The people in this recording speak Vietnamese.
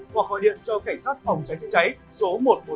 hoặc hội điện cho cảnh sát phòng cháy cháy cháy số một trăm một mươi bốn